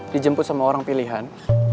dijemput sama orang pilihan